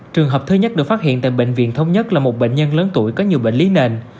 trường hợp thứ nhất được phát hiện tại bệnh viện thống nhất là một bệnh nhân lớn tuổi có nhiều bệnh lý nền